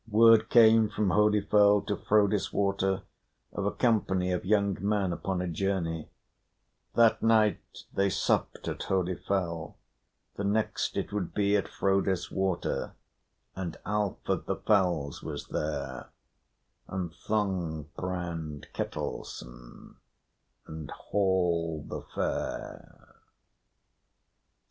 Word came from Holyfell to Frodis Water of a company of young men upon a journey; that night they supped at Holyfell, the next it would be at Frodis Water; and Alf of the Fells was there, and Thongbrand Ketilson, and Hall the Fair.